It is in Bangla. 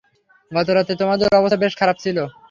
গত রাতে তোমার অবস্থা বেশ খারাপ ছিল।